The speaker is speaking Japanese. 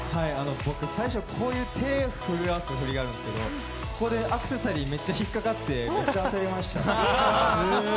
僕、最初こういう、手を震わせるフリがあるんですけどここでアクセサリーめっちゃひっかかって、めっちゃ焦りました。